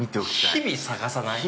◆日々、探さない？